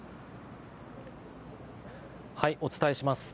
お伝えします。